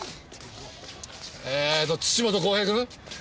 えーと土本公平君？